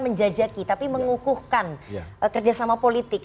menjajaki tapi mengukuhkan kerjasama politik